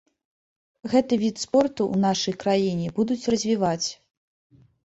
Гэты від спорту ў нашай краіне будуць развіваць.